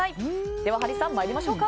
では、ハリーさんいきましょうか。